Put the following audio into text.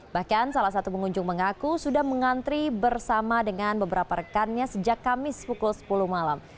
bahkan salah satu pengunjung mengaku sudah mengantri bersama dengan beberapa rekannya sejak kamis pukul sepuluh malam